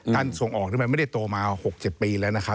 การส่งออกนี่มันไม่ได้โตมา๖๐ปีแล้วนะครับ